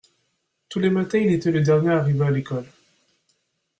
Tous les matins il était le dernier à arriver à l’école.